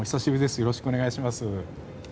よろしくお願いします。